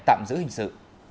tạm giữ hình sự